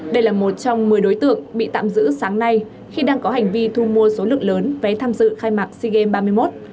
đây là một trong một mươi đối tượng bị tạm giữ sáng nay khi đang có hành vi thu mua số lượng lớn vé tham dự khai mạc sea games ba mươi một